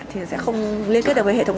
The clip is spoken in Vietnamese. cái này phải không